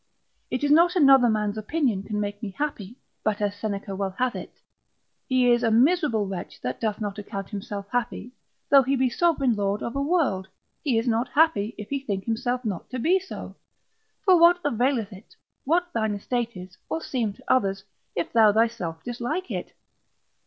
It is not another man's opinion can make me happy: but as Seneca well hath it, He is a miserable wretch that doth not account himself happy, though he be sovereign lord of a world: he is not happy, if he think himself not to be so; for what availeth it what thine estate is, or seem to others, if thou thyself dislike it?